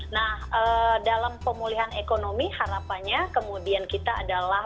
nah dalam pemulihan ekonomi harapannya kemudian kita adalah